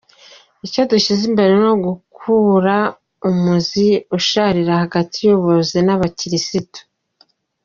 Icyo dushyize imbere ni ugukura umuzi usharira hagati y’ubuyobozi n’abakirisitu.